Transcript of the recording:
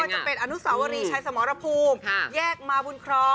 จะเป็นอนุสาวรีชัยสมรภูมิแยกมาบุญครอง